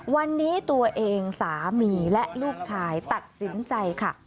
วันนี้ตัวเองสามีและลูกชายตัดสินใจค่ะ